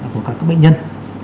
của các bệnh nhân